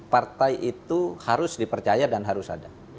partai itu harus dipercaya dan harus ada